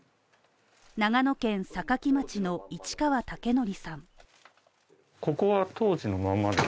長野県坂城町の市川武範さん。